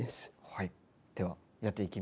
はい。